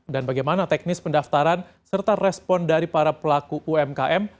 dan bagaimana teknis pendaftaran serta respon dari para pelaku umkm